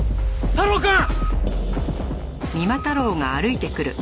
太郎くん！